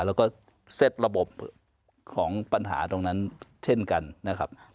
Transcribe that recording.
แล้วก็เซ็ตระบบของปัญหาตรงนั้นเช่นกันนะครับ